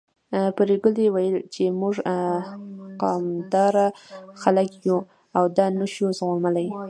پري ګلې ويل چې موږ قامداره خلک يو او دا نه شو زغملی